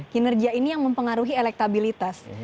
kinerja ini yang mempengaruhi elektabilitas